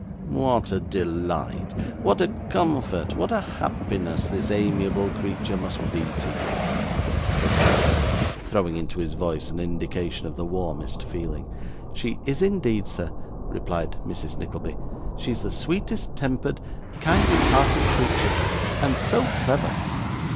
'What a delight, what a comfort, what a happiness, this amiable creature must be to you,' said Sir Mulberry, throwing into his voice an indication of the warmest feeling. 'She is indeed, sir,' replied Mrs. Nickleby; 'she is the sweetest tempered, kindest hearted creature and so clever!